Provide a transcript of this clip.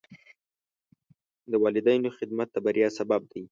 د والدینو خدمت د بریا سبب دی.